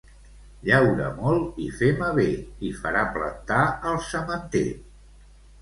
Llaura molt i fema bé i farà planta el sementer.